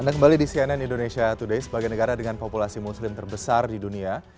anda kembali di cnn indonesia today sebagai negara dengan populasi muslim terbesar di dunia